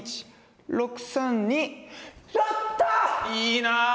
いいなあ。